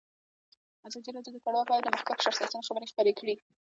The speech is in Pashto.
ازادي راډیو د کډوال په اړه د مخکښو شخصیتونو خبرې خپرې کړي.